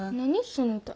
その歌。